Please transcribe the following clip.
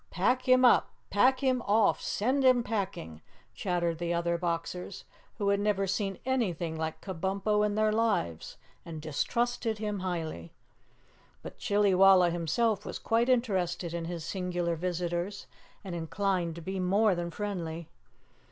"Pack him up, pack him off, send him packing!" chattered the other Boxers, who had never seen anything like Kabumpo in their lives and distrusted him highly. But Chillywalla himself was quite interested in his singular visitors and inclined to be more than friendly.